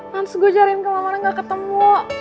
masuk gue jariin ke lawan gak ketemu